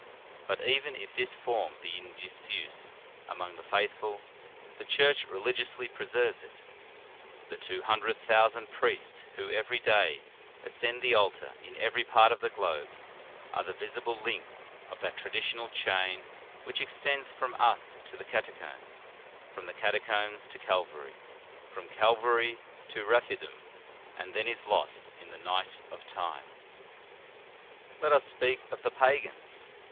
But even if this form be in disuse among the faithful, the Church reli giously preserves it. The two hundred thou sand priests who every day ascend the altar, in every part of the globe, are the visible links of that traditional chain which extends from us to the Catacombs, from the Cata combs to Calvary, from Calvary to Raphidim, and then is lost in the night of time. * Lib. I. de Virgin. 1 08 The Sign of the Cross Let us speak of the pagans.